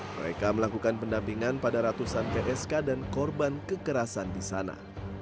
mereka melakukan pendampingan pada ratusan psk dan korban kekerasan di sana